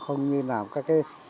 không như làm cái